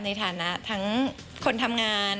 ในฐานะทั้งคนทำงาน